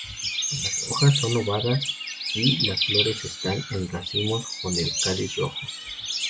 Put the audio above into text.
Las hojas son ovadas y las flores están en racimos, con el cáliz rojo.